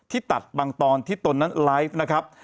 ตัดบางตอนที่ตนนั้นไลฟ์นะครับ